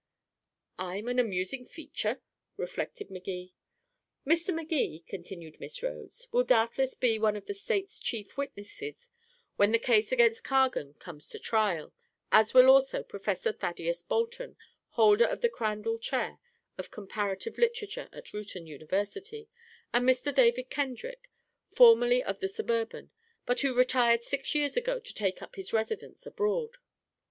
"I'm an amusing feature," reflected Magee. "Mr. Magee," continued Miss Rhodes, "will doubtless be one of the state's chief witnesses when the case against Cargan comes to trial, as will also Professor Thaddeus Bolton, holder of the Crandall Chair of Comparative Literature at Reuton University, and Mr. David Kendrick, formerly of the Suburban, but who retired six years ago to take up his residence abroad.